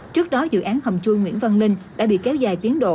trước đó dự án hầm chui nguyễn văn linh đã bị kéo dài tiến độ